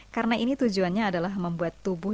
karena ini tujuannya adalah membuat tubuh